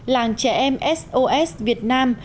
làng trẻ em sos việt nam